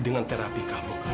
dengan terapi kamu